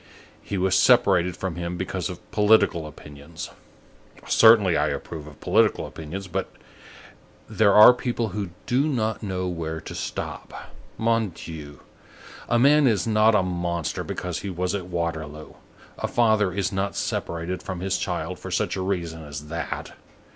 He was separated from him because of political opinions. Certainly, I approve of political opinions, but there are people who do not know where to stop. Mon Dieu! a man is not a monster because he was at Waterloo; a father is not separated from his child for such a reason as that.